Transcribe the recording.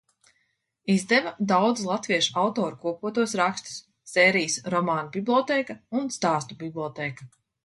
"Izdeva daudzu latviešu autoru kopotos rakstus, sērijas "Romānu bibliotēka" un "Stāstu bibliotēka"."